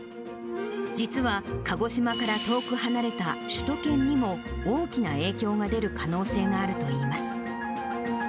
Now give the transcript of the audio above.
実は、鹿児島から遠く離れた首都圏にも、大きな影響が出る可能性があるといいます。